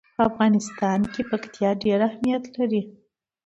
په افغانستان کې پکتیا ډېر اهمیت لري.